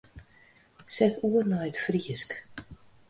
Set oer nei it Frysk.